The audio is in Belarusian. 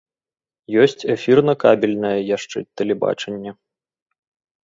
Ёсць эфірна-кабельнае яшчэ тэлебачанне.